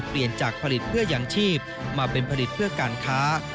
เปลี่ยนจากผลิตเพื่อยังชีพมาเป็นผลิตเพื่อการค้า